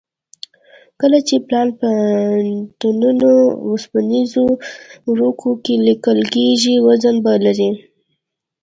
کله چې پلان په ټنونو اوسپنیزو ورقو کې لیکل کېږي وزن به لري